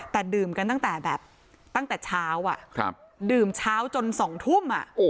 แต่ดื่มกันตั้งแต่แบบตั้งแต่เช้าดื่มเช้าจน๒ทุ่ม